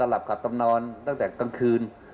โอตตลับเก่าถามนอนตั้งแต่กลางคืน